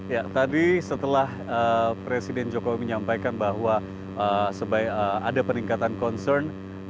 ya tadi setelah presiden jokowi menyampaikan bahwa ada peningkatan concern